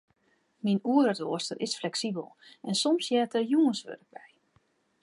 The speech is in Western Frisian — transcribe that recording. Myn oereroaster is fleksibel en soms heart der jûnswurk by.